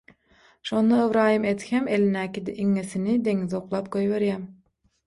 Şonda Ybraýym Edhem elindäki iňňesini deňize oklap goýberýär.